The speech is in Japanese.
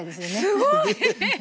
すごい！